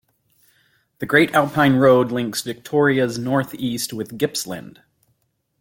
The Great Alpine Road links Victoria's North East with Gippsland.